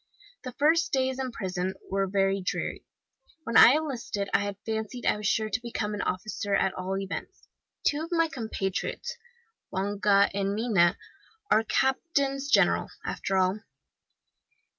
"The first days in prison were very dreary. When I enlisted I had fancied I was sure to become an officer, at all events. Two of my compatriots, Longa and Mina, are captains general, after all.